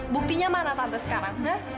buktinya mana tante sekarang